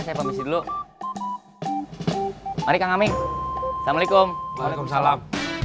saya panggil dulu hari kami assalamualaikum waalaikumsalam